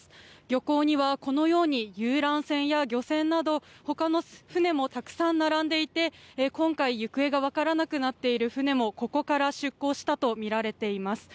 漁港にはこのように遊覧船や漁船など他の船もたくさん並んでいて今回、行方が分からなくなっている船もここから出港したとみられています。